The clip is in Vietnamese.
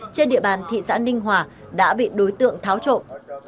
trên địa bàn thị xã ninh hòa đã bị đối tượng tháo trộm